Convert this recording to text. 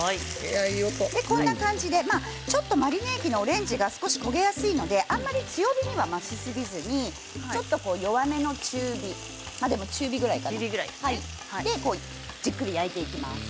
こんな感じにマリネ液のオレンジがちょっと焦げやすいのであまり強火にはしすぎずに弱めの中火、でも中火くらいかなじっくり焼いていきます。